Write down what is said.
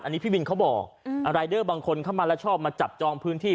อันนี้พี่บินเขาบอกรายเดอร์บางคนเข้ามาแล้วชอบมาจับจองพื้นที่